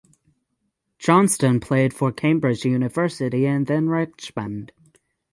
Johnston played for Cambridge University and then Richmond.